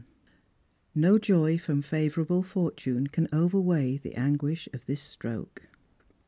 No joy from favourable fortnne Can overweigh the anguish of this stroke."